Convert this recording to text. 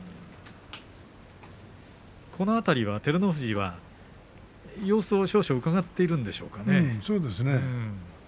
途中、照ノ富士は様子を少々うかがっているんでしょうか。